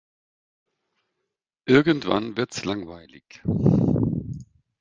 Irgendwann wird's langweilig.